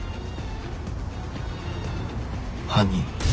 犯人